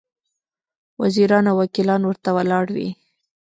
وزیران او وکیلان ورته ولاړ وي.